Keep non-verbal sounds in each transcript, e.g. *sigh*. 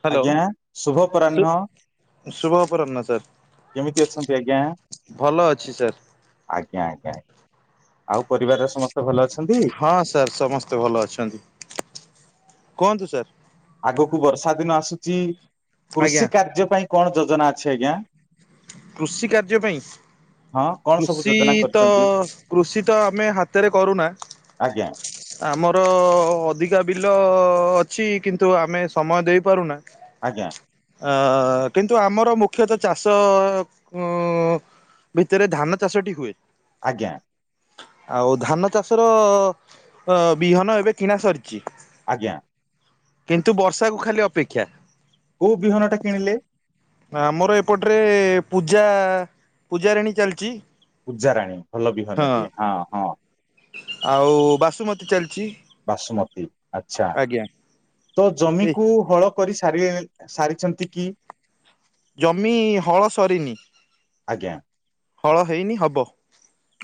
Hello ଆଜ୍ଞା ଶୁଭ ଶୁ ଅପରାହ୍ନ। ଶୁଭ ଅପରାହ୍ନ ସାର୍ କେମିତି ଅଛନ୍ତି ଆଜ୍ଞା? ଭଲ ଅଛି ସାର୍। ଆଜ୍ଞା ଆଜ୍ଞାା ଆଉ ପରିବାର ସମସ୍ତେ ଭଲ ଅଛ ହଁ ସାର୍ ସମସ୍ତେ ଭଲ ଅଛନ୍ତି କୁହନ୍ତୁ ସାର୍? ଆଗକୁ ବର୍ଷା ଦିନ ଆସୁଛି ଆଜ୍ଞା କୃଷି କାର୍ଯ୍ୟ ପାଇଁ କଣ ଯୋଜନା ଅଛି ଆଜ୍ଞା। କୃଷି କାର୍ଯ୍ୟ ପାଇଁ। ହଁ କଣ ସବୁ କୃଷି ଯୋଜନା ତ କରିଛନ୍ତି? କୃଷି ତ ଆମେ ହାତରେ କରୁନା। ଆଜ୍ଞା ଆମର ଅଧିକା ବିଲ ଅଛି କିନ୍ତୁ ଆମେ ସମୟ ଦେଇପାରୁନା। ଆଜ୍ଞା। ଆ କିନ୍ତୁ ଆମର ମୁଖ୍ୟତଃ ଚାଷ କ ଭିତରେ ଧାନ ଚାଷଟି ହୁଏ। ଆଜ୍ଞା। ଆଉ ଧାନ ଚାଷର ବିହନ ଏବେ କିଣା ସରିଛି। ଆଜ୍ଞା। କିନ୍ତୁ ବର୍ଷାକୁ ଖାଲି ଅପେକ୍ଷା। କୋଉ ବିହନଟା କିଣିଲେ? ନା ଆମର ଏପଟରେ ପୂଜା ପୂଜାରିଣୀ ଚାଲିଛି। ପୂଜା ରାଣୀ ଭଲ ବିହନ ଟିଏ ହଁ ହଁ। ଆଉ ବାସୁମତୀ ଚାଲିଛି। ବାସୁମତୀ ଆଚ୍ଛା। ତ ଏ ଜମିକୁ ହଳ କରି ସାରି ସାରିଛନ୍ତି କି? ଜମି ହଳ ସରିନି। ଆଜ୍ଞା। ହଳ ହେଇନି ହବ।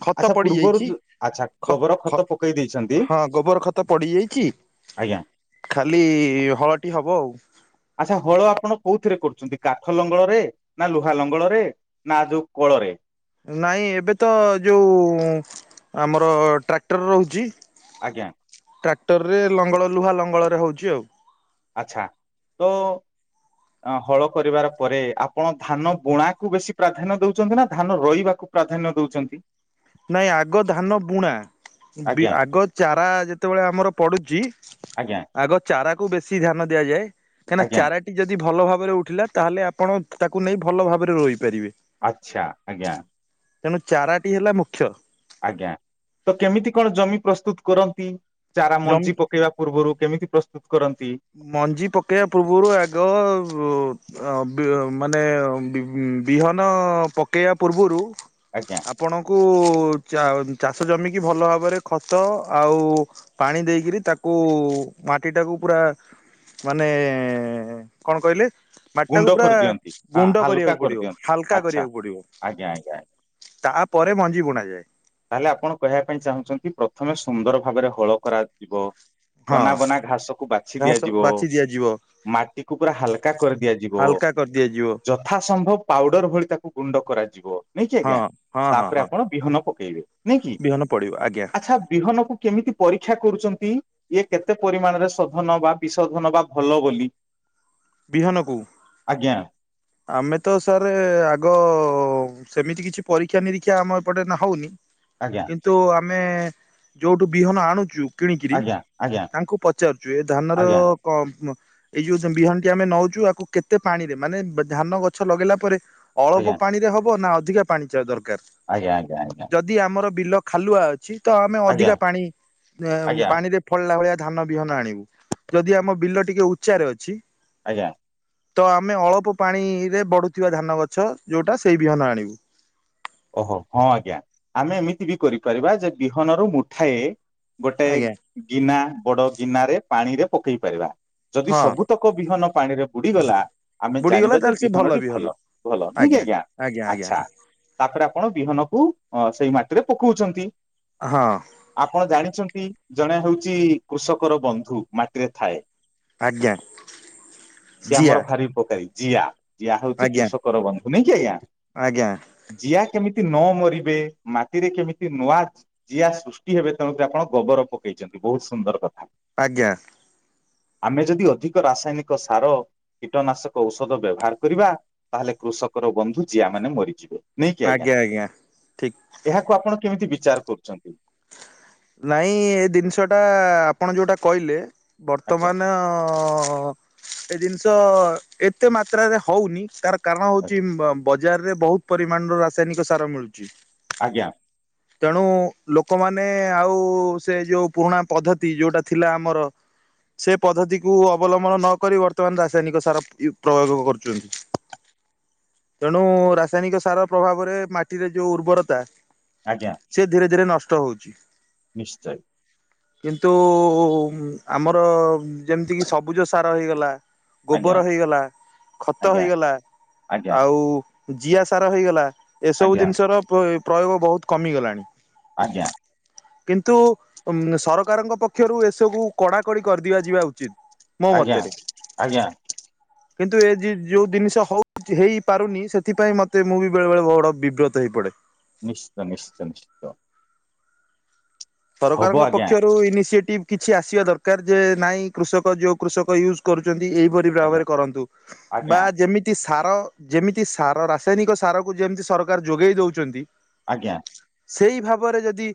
ଖତ ଆଚ୍ଛା ପୂର୍ବରୁ ପଡିଯାଇଛି ଯୋ- ଆଚ୍ଛା ଖ ଗୋବର ଖତ ଖ ପକେଇ ଦେଇଛନ୍ତି ହଁ ଗୋବର ଖତ ପଡିଯାଇଛି। ଆଜ୍ଞା। ଖାଲି ହଳଟି ହବ ଆଉ ଆଚ୍ଛା ହଳ ଆପଣ କୋଉଥିରେ କରୁଛନ୍ତି କାଠ ଲଙ୍ଗଳରେ ନା ଲୁହା ଲଙ୍ଗଳରେ? ନା ଯୋଉ କଲ୍ଲୋରେ। ନାଇଁ ଏବେ ତ ଯୋଉଁ ଆମର ଟ୍ରାକ୍ଟର ରହୁଛି। ଆଜ୍ଞା। ଟ୍ରାକ୍ଟରରେ ଲଙ୍ଗଳ ଲୁହା ଲଙ୍ଗଳରେ ହଉଛି ଆଉ ଆଚ୍ଛା ତ ଅ ହଳ କରିବାର ପରେ ଆପଣ ଧାନ ବୁଣାକୁ ବେଶୀ ପ୍ରାଧାନ୍ୟ ଦଉଛନ୍ତି ନା ଧାନ ରଇବାକୁ? ପ୍ରାଧାନ୍ୟ ଦଉଛନ୍ତି। ନାଇଁ ଆଗ ଧାନ ବୁଣା ଆଜ୍ଞା ଆଗ ଚାରା ଯେତେବେଳେ ଆମର ପଡୁଛି ଆଜ୍ଞା। ଆଗ ଚାରାକୁ ବେଶୀ ଧ୍ୟାନ ଦିଆଯାଏ କାହିଁକିନା ଆଜ୍ଞା ଚାରା ଟି ଯଦି ଭଲ ଭାବରେ ଉଠିଲା ତାହେଲେ ଆପଣ ତାକୁ ନେଇ ଭଲ ଭାବରେ ରୋଇ ପାରିବେ। ଆଚ୍ଛା ଆଜ୍ଞା। ତେଣୁ ଚାରାଟି ହେଲା ମୁଖ୍ୟ। ଆଜ୍ଞା। ତ କେମିତି କଣ ଜମି ପ୍ରସ୍ତୁତ କରନ୍ତି? ଚାରା ଜମି ମଞ୍ଜି ପକେଇବା ପୂର୍ବରୁ କେମିତି ପ୍ରସ୍ତୁତ କରନ୍ତି? ମଞ୍ଜି ପକେଇବା ପୂର୍ବରୁ ଆଗ ଅ ବି ମାନେ ବି ବିହନ ପକେଇବା ପୂର୍ବରୁ ଆଜ୍ଞା। ଆପଣଙ୍କୁ ଚା ଚାଷ ଜମିିକି ଭଲ ଭାବରେ ଖତ ଆଉ ପାଣି ଦେଇକରି ତାକୁ ମାଟି ଟାକୁ ପୁରା ମାନେ କଣ କହିଲେ ଗୁଣ୍ଡ ମାଟିଟାକୁ ପୁରା କରିଦିଅନ୍ତି। ହଁ ଗୁଣ୍ଡ ହାଲୁକା କରିବାକୁ ପଡ଼ିବ କରିଦିଅନ୍ତି ହାଲକା ଆଚ୍ଛା କରିବାକୁ ଆଜ୍ଞା ଆଜ୍ଞା। ପଡ଼ିବ। ତାପରେ ମଞ୍ଜି ବୁଣାଯାଏ। ତାହେଲେ ଆପଣ କହିବା ପାଇଁ ଚାହୁଁଚନ୍ତି ପ୍ରଥମେ ସୁନ୍ଦର ଭାବରେ ହଳ କରାଯିବ ହଁ ଅନାବନା ଘାସକୁ ବାଛି ଘାସ ଦିଆଯିବ ବାଛି ଦିଆଯିବ ମାଟିକୁ ପୁରା ହାଲକା କରିଦିଆଯିବ ହାଲକା କରିଦିଆଯିବ ଯ ଯଥା ସମ୍ଭବ ପାଉଡର ଭଳି ତାକୁ ଗୁଣ୍ଡ କରାଯିବ ନାଇଁକି ହଁ ଆଜ୍ଞା ହଁ ହଁ ତାପରେ ହଁ ଆପଣ ବିହନ ପକେଇଲେ ନାଇଁକି ବିହନ ପଡିବ ଆଜ୍ଞା ଆଚ୍ଛା ବିହନକୁ କେମିତି ପରୀକ୍ଷା କରୁଚନ୍ତି ଇଏ କେତେ ପରିମାଣରେ ସାଧନବା ବିଶୋଧନ ବା ଭଲ ବୋଲି? *inaudible* ବିହନକୁ। ଆଜ୍ଞା। ଆମେତ ସାର୍ ଆଗ ସେମିତି କିଛି ପରୀକ୍ଷା ନିରୀକ୍ଷା ଆମ ଏପଟେ ହଉନି। ଆଜ୍ଞା। କିନ୍ତୁ ଆମେ ଯୋଉଠୁ ବିହନ ଆଣୁଚୁ କିଣିକିରି ଆଜ୍ଞା ଆଜ୍ଞା ତାଙ୍କୁ ପଚାରୁଚୁ ଏଧାନର ଆଜ୍ଞା କ ମ୍ପ ଏଇ ଯୋଉ ବିହନଟି ଆମେ ନଉଛୁ ଆକୁ କେତେ ପାଣିରେ ମାନେ ଧାନ ଗଛ ଲଗେଇଲା ପରେ ଆଜ୍ଞା ଅଳପ ପାଣିରେ ହବ ନା ଅଧିକା ପାଣିଚା ଦରକାର୍? ଆଜ୍ଞା ଆଜ୍ଞା ଆଜ୍ଞା। ଯଦି ଆମର ବିଲ ଖାଲୁଆ ଅଛି ତଆମେ ଆଜ୍ଞା ଆଜ୍ଞା ଅଧିକା ପାଣି ଅଁ ଆଜ୍ଞା ପାଣିରେ ଫଳିଲା ଭଳିଆ ଧାନ ବିହନ ଆଣିବୁ ଯଦି ଆମ ବିଲ ଟିକେ ଉଚ୍ଚାରେ ଅଛି ଆଜ୍ଞା। ତ ଆମେ ଅଳ୍ପ ପାଣିରେ ବଢୁଥିବା ଧାନ ଗଛ ଯୋଉଟା ସେଇ ବିହନ ଆଣିବୁ। ଓହୋ ହଁ ଆଜ୍ଞା ଆମେ ଏମିତିବି କରିପାରିବା ଯେବିହନରୁ ମୁଠାଏ ଗୋଟେ ଆଜ୍ଞା ଗିନା ବଡ଼ ଗିନାରେ ପାଣିରେ ପକେଇ ପାରିବା ଯଦି ହଁ ସବୁ ତକ ବିହନ ପାଣିରେ ବୁଡ଼ିଗଲା ଆମେ ବୁଡିଗଲା ଜାଣିବାଯେ ତାହେଲେ ସେ ବିହନଟି ବିହନ ଭଲ ଭଲ ନୁହଁକି ଆଜ୍ଞା ଆଚ୍ଛା। ତାପରେ ଆପଣ ବିହନକୁ ଅ ସେଇ ମାଟିରେ ପକଉଛନ୍ତି। ହଁ। ଆପଣ ଜାଣିଚନ୍ତି ଜଣେ ହଉଚି କୃଷକର ବନ୍ଧୁ ମାଟିରେ ଥାଏ। ଆଜ୍ଞା ସିଏ ଜିଆ ଆମର ଭାରି ଉପକାରୀ ଜିଆ ଜିଆ ହଉଚି ଆଜ୍ଞା କୃଷକର ବନ୍ଧୁ ନାଇଁକି ଆଜ୍ଞା। ଆଜ୍ଞା। ଜିଆ କେମିତି ନମରିବେ ମାଟିରେ କେମିତି ନୂଆ ଯିଆ ସୃଷ୍ଟି ହେବେ ତେଣୁକରି ଆପଣ ଗୋବର ପକେଇଚନ୍ତି ବହୁତ୍ ସୁନ୍ଦର କଥା। ଆଜ୍ଞା। ଆମେ ଯଦି ଅଧିକ ରାସାୟନିକ ସାର କୀଟନାଶକ ଔଷଧ ବ୍ୟବହାର କରିବା ତାହେଲେ କୃଷକର ବନ୍ଧୁ ଜିଆ ମାନେ ମରିଯିବେ। ନେଇକି ଆଜ୍ଞା ଠିକ ଏହାକୁ ଆପଣ କେମିତି ବିଚାର କରୁଚନ୍ତି? ନାଇଁ ଏଦିନିଷଟା ଆପଣ ଯୋଉଟା କହିଲେ ଆଜ୍ଞା ବର୍ତ୍ତମାନ ହଁ ଏ ଜିନିଷ ଏତେ ମାତ୍ରାରେ ହଉନି ତାର କାରଣ ହଉଛି ବଜାରରେ ବହୁତ ପରିମାଣର ରାସାୟନିକ ସାର ମିଳୁଛି। ଆଜ୍ଞା। ତେଣୁ ଲୋକମାନେ ଆଉ ସେ ଯୋଉ ପୁରୁଣା ପଦ୍ଧତି ଯୋଉଟା ଥିଲା ଆମର ସେ ପଦ୍ଧତିକୁ ଅବଲମ୍ବନ ନ କରି ବର୍ତ୍ତମାନ ରାସାୟନିକ ସାର-ୟୁ ପ୍ରୟୋଗ କରୁଛନ୍ତି। ତେଣୁ ରାସାୟନିକ ସାର ପ୍ରଭାବରେ ମାଟିରେ ଯୋଉ ଉର୍ବରତା ଆଜ୍ଞା। ସେି ଧୀରେ ଧୀରେ ନଷ୍ଟ ହଉଛି। ନିଶ୍ଚୟ। କିନ୍ତୁ ଆମର ଯେମିତି କିି ସବୁଜ ସାର ହେଇଗଲା। ଆଜ୍ଞା ଗୋବର ହେଇଗଲା ଖତ ଆଜ୍ଞା ହେଇଗଲା ଆଜ୍ଞା ଆଉ ଜିଆ ସାର ହେଇଗଲା ଏସବୁ ଆଜ୍ଞା ଜିନିଷର ପ ଏ ପ୍ରୟୋଗ ବହୁତ କମିଗଲାଣି। ଆଜ୍ଞା। କିନ୍ତୁ ସରକାରଙ୍କ ପକ୍ଷରୁ ଏସବୁ କଡାକଡି କରିଦିଆ ଯିବା ଉଚିତ। ମୋ ଆଜ୍ଞା ମତରେ। ଆଜ୍ଞା କିନ୍ତୁ ଏ ଜି ଯଉ ଜିନିଷ ହଉ -ହେଇପାରୁନି ସେଥିପାଇଁ ମତେ ମୁଁ ବି ବେଳେବେଳେ ବଡ଼ ବିବ୍ରତ ହେଇ ପଡେ। ନିଶ୍ଚିତ ନିଶ୍ଚିତ ନିଶ୍ଚିତ। ହବ ସରକାରଙ୍କ ଆଜ୍ଞା ପକ୍ଷରେ କିନ୍ତୁ ଇନସିଏଟିଭ କିଛି ଆସିବା ଦରକାର ଯେ ନାଇଁ କୃଷକ ଯୋଉ କୃଷକ ୟୁଜ୍ କରୁଛନ୍ତି ଏଇ ଠିକ ଆଜ୍ଞା ଭାବରେ କରନ୍ତୁ। ଆଜ୍ଞା ବା ଯେମି ତି ସାର ଯେମିତି ସାର ରାସାୟନିକ ସାରକୁ ଯେମିତି ସରକାର ଯୋଗେଇ ଦଉଛନ୍ତି ଆଜ୍ଞା। ସେଇ ଭାବରେ ଯଦି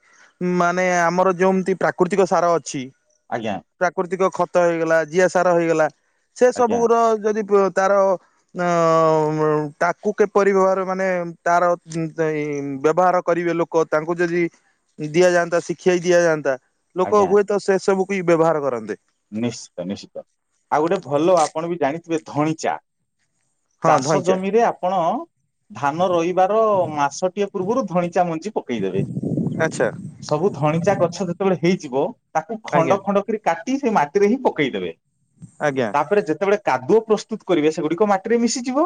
ମାନେ ଆମର ଯୋମିତି ପ୍ରାକୃତିକ ସାର ଅଛି। ଆଜ୍ଞା। ପ୍ରାକୃତିକ ଖତ ହେଇଗଲା ଜିଆସାର ହେଇଗଲା ସେ ଆଜ୍ଞା ସବୁୁର ଯଦି ତାର ଅ ତାକୁ କିପରି ବେବହାର ମାନେ ତାର ବ୍ୟବହାର କରିବେ ଲୋକ କୋ ତାଙ୍କୁ ଯଦି ଦିଆ ଯାଆନ୍ତା ତ ଶିଖେଇ ଦିଆଯାନ୍ତା ଲୋକ ଆଜ୍ଞା ହୁଏତ ସେ ସବୁକୁଇ ବ୍ୟବହାର କରନ୍ତେ। ନିଶ୍ଚିତ ନିଶ୍ଚିତ ଆଉ ଗୋଟେ ଭଲ ଆପଣ ବି ଜାଣିଥିବେ ଧଣିଚା। ହଁ ଚାଷ ଧଇଁଚା ଜମିରେ ଆପଣ ଧାନ ରୋଇବାର ମାସଟିଏ ପୂର୍ବରୁ ଧଣିଚା ମଞ୍ଜି ପକେଇଦେବେ ଆଚ୍ଛା ସବୁ ଧଣିଚା ଗଛ ଯେତେବେଳେ ହେଇଯିବ ତାକୁ ଆଜ୍ଞା ଖଣ୍ଡ ଖଣ୍ଡ କିରି କାଟି ସେଇ ମାଟିରେ ହିଁ ପକେଇଦେବେ। ଆଜ୍ଞା। ତାପରେ ଯେତେବେଳେ କାଦୁଅ ପ୍ରସ୍ତୁତ କରିବେ ସେଗୁଡିକ ମାଟିରେ ମିଶିଯିବ।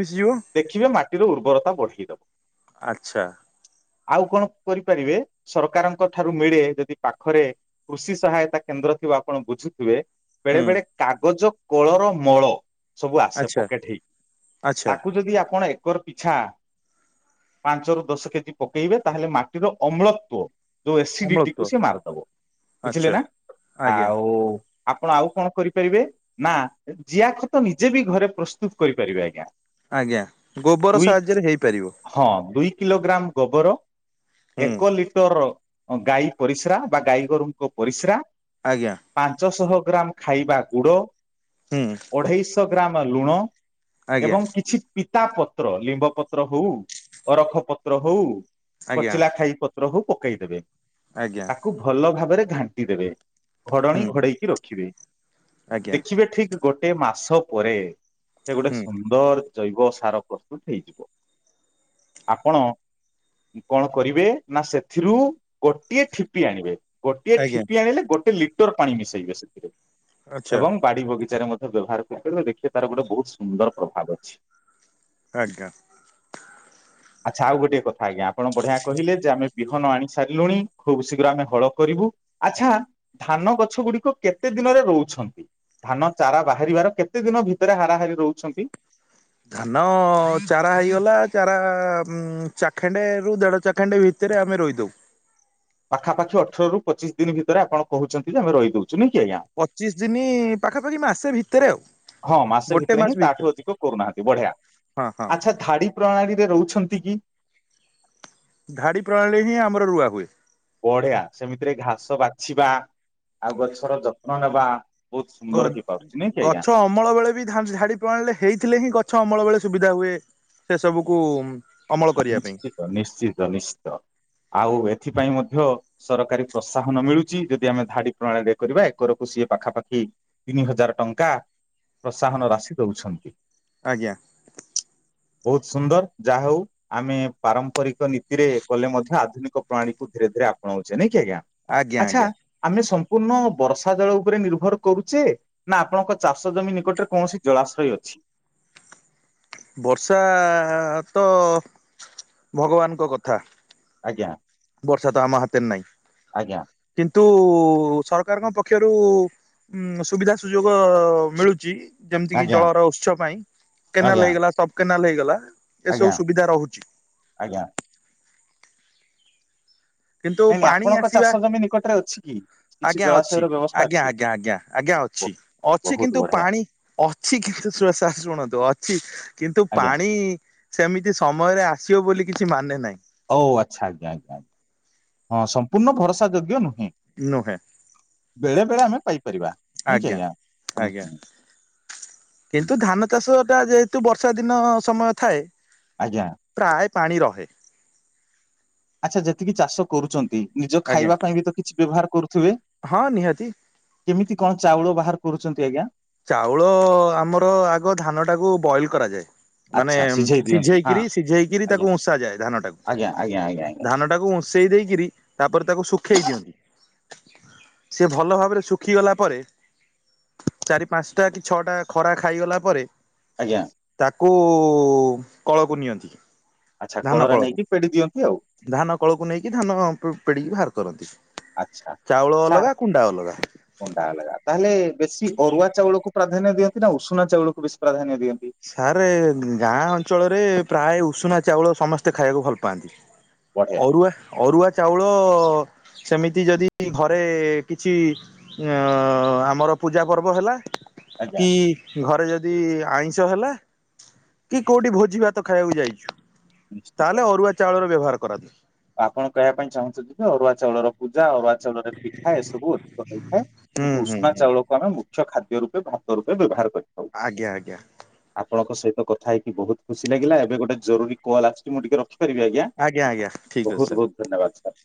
ମିଶିଯିବ। ଦେଖିବେ ମାଟିର ଉର୍ବରତା ବଢେଇଦବ। ଆଚ୍ଛା। ଆଉ କଣ କରିପାରିବେ ସରକାରଙ୍କ ଠାରୁ ମିଳେ ଯଦି ପାଖରେ କୃଷି ସହାୟତା କେନ୍ଦ୍ର ଥିବ ଆପଣ ବୁଝୁଥିବେ ବେଳେ ହୁଁ ବେଳେ କାଗଜ କୋଳର ମଳ ସବୁ ଆସେ ଆଚ୍ଛା ପକେଟ ହେଇକି ଆଚ୍ଛା ତାକୁ ଯଦି ଆପଣ ଏକର ପିଛା ପାଞ୍ଚରୁ ଦଶ କେଜି ପକେଇବେ ତାହେଲେ ମାଟିର ଅମ୍ଳତ୍ୱ ଯୋଉ ଏସିଡିଟି ଅମ୍ଳତ୍ଵ କୁ ସି ମାରିଦବ ବୁଝିଲେ ଆଚ୍ଛା ନା। ଆଜ୍ଞା ଆଉ ଆପଣ ଆଉ କଣ କରିପାରିବେ ନା ଜିଆଖତ ନିଜେ ବି ଘରେ ପ୍ରସ୍ତୁତ କରିପାରିବେ ଆଜ୍ଞା। ଆଜ୍ଞା ଗୋବର ଦୁଇ ସାହାଯ୍ୟରେ ହେଇ ପାରିବ। ହଁ ଦୁଇ କିଲୋଗ୍ରାମ ଗୋବର, ହୁଁ ଏକ ଲିଟର ଗାଈ ପରିସ୍ରା ବା ଗାଈ ଗୋରୁଙ୍କ ପରିସ୍ରା ଆଜ୍ଞା। ପାଞ୍ଚଶହ ଗ୍ରାମ ଖାଇବା ଗୁଡ଼ ହୁଁ। ଅଢ଼େଇ ଶହ ଗ୍ରାମ ଲୁଣ ଆଜ୍ଞା ଏବଂ କିଛି ପିତା ପତ୍ର ଲିମ୍ବ ପତ୍ର ହଉ, ଅରଖ ପତ୍ର ହଉ, ଆଜ୍ଞା କୋଚିଲା ଖାଇ ପତ୍ର ହଉ ପକେଇ ଦେବେ। ଆଜ୍ଞା। ତାକୁ ଭଲ ଭାବରେ ଘାଣ୍ଟି ଦେବେ। ଘୋଡ଼ଣୀ ହୁଁ ଘୋଡେ଼ଇ କି ରଖିବେ ଆଜ୍ଞା ଦେଖିବେ ଠିକ୍ ଗୋଟେ ମାସ ପରେ ସେ ଗୋଟେ ହୁଁ ସୁନ୍ଦର ଜୈବ ସାର ପ୍ରସ୍ତୁତ ହେଇଯିବ। ଆପଣ କଣ କରିବେ ନା ସେଥିରୁ ଗୋଟିଏ ଠିପି ଆଣିବେ। ଗୋଟିଏ ଆଜ୍ଞା ଠିପି ଆଣିଲେ ଗୋଟେ ଲିଟର ପାଣି ମିଶେଇବେ ସେଥିରେ। ଆଚ୍ଛା ଏବଂ ବାଡ଼ି ବଗିଚାରେ ମଧ୍ୟ ବ୍ୟବହାର କରିପାରିବ ଦେଖିବେ ତାର ଗୋଟେ ବହୁତ ସୁନ୍ଦର ପ୍ରଭାବ ଅଛି। ଆଜ୍ଞା। ଆଚ୍ଛା ଆଉ ଗୋଟେ କଥା ଆଜ୍ଞା ଆପଣ ବଢ଼ିଆ କହିଲେ ଯେ ଆମେ ବିହନ ଆଣି ସାରିଲୁଣି ଖୁବ୍ ଶୀଘ୍ର ଆମେ ହଳ କରିବୁ। ଆଚ୍ଛା ଧାନ ଗଛ ଗୁଡ଼ିକ କେତେ ଦିନରେ ରୋଉଛନ୍ତି? ଧାନ ଚାରା ବାହାରିବାର କେତେ ଦିନ ଭିତରେ ହାରାହାରି ରୋଉଛନ୍ତି? ଧାନ ଚାରା ହେଇଗଲା ଚାରା ଉ ଚାଖେଣ୍ଡେ ରୁ ଦେଢ଼ ଚାଖେଣ୍ଡେ ଭି ଭିତରେ ଆମେ ରୋଇଦଉ। ପାଖାପାଖି ଅଠର ରୁ ପଚିଶ ଦିନ ଭିତରେ ଆପଣ କହୁଛନ୍ତି ଯେ ଆମେ ରୋଇ ଦଉଛୁ ନୁହେଁ କି ଆଜ୍ଞା? ପଚିଶି ଦିନି ପାଖାପାଖି ମାସେ ଭିତରେ ଆଉ। ହଁ ମାସେ ଗୋଟେ ଭିତରେ ମାସ ହିଁ ତାଠୁ ଅଧିକ କରୁନାହାନ୍ତି ବଢ଼ିଆ। ହଁ ହଁ ଆଚ୍ଛା ଧାଡି ପ୍ରଣାଳୀରେ ରୋଉଛନ୍ତି କି? ଧାଡି ପ୍ରଣାଳୀରେ ହିଁ ଆମର ରୁଆ ହୁଏ। ବଢ଼ିଆ ସେମିତିରେ ଘାସ ବାଛିବା ଆଉ ଗଛର ଯତ୍ନ ନେବା ବହୁତ ଗ ସୁନ୍ଦର ହେଇ ପାରୁଛି ନାଇଁ କି ଗଛ ଆଜ୍ଞା? ଅମଳ ବେଳେ ବି ଝାଡି ପ୍ରଣାଳୀରେ ହେଇଥିଲେ ହିଁ ଗଛ ଅମଳ ବେଳେ ସୁବିଧା ହୁଏ ସେ ସବୁକୁ। ଅମଳ କରିବା ପାଇଁ ନିଶ୍ଚିତ ନିଶ୍ଚିତ ନିଶ୍ଚିତ। ଆଉ ଏଥିପାଇଁ ମଧ୍ୟ ସରକାରୀ ପ୍ରୋସାହନ ମିଳୁଛି ଯଦି ଆମେ ଧାଡି ପ୍ରଣାଳୀ ରେ କରିବା ଏକରକୁ ସିଏ ପାଖା ପାଖି ତିନି ହଜାର ଟଙ୍କା ପ୍ରୋତ୍ସାହନ ରାଶି ଦଉଛନ୍ତି। ଆଜ୍ଞା। ବହୁତ ସୁନ୍ଦର ଯାହା ହଉ। ଆମେ ପାରମ୍ପରିକ ନୀତିରେ କଲେ ମଧ୍ୟ ଆଧୁନିକ ପ୍ରାଣଳୀ କୁ ଧୀରେ ଧୀରେ ଆପଣାଉଛେ ନାଇଁ କି ଆଜ୍ଞା। ଆଜ୍ଞା ଆଚ୍ଛା ଆଜ୍ଞା। ଆମେ ସମ୍ପୂର୍ଣ୍ଣ ବର୍ଷା ଜଳ ଉପରେ ନିର୍ଭର କରୁଛେ ନା ଆପଣଙ୍କ ଚାଷ ଜମି ନିକଟରେ କୌଣସି ଜଳାଶୟ ଅଛି।? ବର୍ଷା ତ ଭଗବାନଙ୍କ କଥା। ଆଜ୍ଞା। ବର୍ଷା ତ ଆମ ହାତରେ ନାଇଁ। ଆଜ୍ଞା। କିନ୍ତୁ ସରକାରଙ୍କ ପକ୍ଷରୁ ଉଁ ସୁବିଧା ସୁଯୋଗ ମିଳୁଚି ଯେମିତି କିି ଆଜ୍ଞା ଜଳର ଉତ୍ସ ପାଇଁ ଆଜ୍ଞା କେନାଲ ହେଇଗଲା ସବ କେନାଲ ହେଇଗଲା ଆଜ୍ଞା ଏସବୁ ସୁବିଧା ରହୁଚି। ଆଜ୍ଞା। କିନ୍ତୁ ନାଇଁ ନାଇଁ ପାଣି ଆପଣଙ୍କ ଆସିବା ଚାଷ ଜମି ନିକଟରେ ଅଛି କି କିଛି ଆଜ୍ଞା ଅଛି ଜଳାଶୟର ବ୍ୟବସ୍ଥା ଆଜ୍ଞା ଅଛି ଆଜ୍ଞା ଆଜ୍ଞା ଆଜ୍ଞା ଅଛି। ବହୁତ ଅଛି ବହୁତ କିନ୍ତୁ ବଢିଆ ପାଣି ଅଛି କିନ୍ତୁ ଶୁଣ ସାର ଶୁଣନ୍ତୁ ଅଛି କିନ୍ତୁ ଆଜ୍ଞା ପାଣି ସେମିତି ସମୟରେ ଆସିବ ବୋଲି କିଛି ମାନେ ନାହିଁ। ହଉ ଆଚ୍ଛା ଆଜ୍ଞା ଆଜ୍ଞା ଆଜ୍ଞା ହଁ ସମ୍ପୂର୍ଣ୍ଣ ଭରସା ଯୋଗ୍ୟ ନୁହେଁ। ନୁହେଁ ବେଳେ ବେଳେ ଆମେ ପାଇପାରିବା ନୁହୁଁ କି ଆଜ୍ଞା ହୁଁ ଆଜ୍ଞା ହୁଁ। ହୁଁ କିନ୍ତୁ ଧାନ ଚାଷ ଟା ଯେହେତୁ ବର୍ଷା ଦିନ ସମୟ ଥାଏ ଆଜ୍ଞା। ପ୍ରାୟେ ପାଣି ରହେ। ଆଚ୍ଛା ଯେତିକି ଚାଷ କରୁଚନ୍ତି ନିଜ ଆଜ୍ଞା ଖାଇବା ପାଇଁ ବି ତ କିଛି ବ୍ୟବହାର କରୁଥିବେ? ହଁ ନିହାତି। କେମିତି କଣ ଚାଉଳ ବାହାର କରୁଚନ୍ତି ଆଜ୍ଞା? ଚାଉଳ ଆମର ଆଗ ଧାନ ଟାକୁ ବଏଲ କରାଯାଏ। ମାନେ ଆଚ୍ଛା ସିଝେଇ ଦିଅନ୍ତି ହଁ ସିଝେଇକିରି ସିଝେଇକିରି ଆଜ୍ଞା ତାକୁ ଉଁସା ଯାଏ ଧାନ ଟାକୁ ଆଜ୍ଞା ଆଜ୍ଞା ଆଜ୍ଞା ଆଜ୍ଞା ଧାନା ତାକୁ ଉଁସେଇ ଦେଇକିରି ତାପରେ ତାକୁ ଶୁଖେଇ ଦିଅନ୍ତି। ସିଏ ଭଲ ଭାବରେ ଶୁଖି ଗଲା ପରେ ଚାରି ପାଞ୍ଚଟା କି ଛଅଟା ଖରା ଖାଇଗଲା ପରେ ଆଜ୍ଞା। ତାକୁ କଳକୁ ନିଅନ୍ତି। ଆଚ୍ଛା ଧାନ କଳରେ କଳକୁ ନେଇକି ପେଡ଼ି ଦିଅନ୍ତି ଆଉ। ଧାନ କଳକୁ ନେଇକି ଧାନ ପେ ପେଡ଼ିକି ବାହାର କରନ୍ତି। ଆଚ୍ଛା ଚାଉଳ ସାର ଅଲଗା କୁଣ୍ଡା ଅଲଗା କୁଣ୍ଡା ଅଲଗା ତାହେଲେ ବେଶୀ ଅରୁଆ ଚାଉଳକୁ ପ୍ରାଧାନ୍ୟ ଦିଅନ୍ତି ନା ଉଷୁନା ଚାଉଳକୁ ବେଶୀ ପ୍ରାଧାନ୍ୟ ଦିଅନ୍ତି। ସାରେ ଗାଁ ଅଞ୍ଚଳରେ ପ୍ରାୟ ଉଷୁନା ଚାଉଳ ସମସ୍ତେ ଖାଇବାକୁ ଭଲ ପାଆନ୍ତି। ବଢିଆ ଅରୁଆ ଅରୁଆ ଚାଉଳ ସେମିତି ଯଦି ଘରେ କିଛି ଅଁ ଆମର ପୂଜା ପର୍ବ ହେଲା ଆଜ୍ଞା କି ଘରେ ଯଦି ଆଇଁ ସ ହେଲା କି କୋଉଠି ଭୋଜି ଭାତ ଖାଇବାକୁ ଯାଇଚୁ ନିଶ୍ଚିତ ତାହେଲେ ଅରୁଆ ଚାଉଳର ବ୍ୟବହାର କରାଯାଏ। ଆପଣ କହିବା ପାଇଁ ଚାହୁଁଚନ୍ତି ଯେ ଅରୁଆ ଚାଉଳର ପୂଜା ଅରୁଆ ଚାଉଳରେ ପିଠା ଏସବୁ ଅଧିକ ହେଇଥାଏ ହୁଁ କିନ୍ତୁ ହୁଁ ଉଷୁନା ହୁଁ ଚାଉଳ କୁ ଆମେ ମୁଖ୍ୟ ଖାଦ୍ୟ ରୂପେ ଭାତ ରୂପେ ବ୍ୟବହାର କରି ଆଜ୍ଞା ଆଜ୍ଞା। ଆପଣଙ୍କ ସହିତ କଥା ହେଇକି ବହୁତ ଖୁସି ଲାଗିଲା ଏବେ ଗୋଟେ ଜରୁରୀ କଲ୍ ଆସିଛି ମୁଁ ଟିକେ ରଖିପାରିବି ଆଜ୍ଞା? ଆଜ୍ଞ ଆଜ୍ଞା। ଠିକ୍ ଅଛି ସାର୍। ବହୁତ ବହୁତ ଧନ୍ୟବାଦ ସାର୍।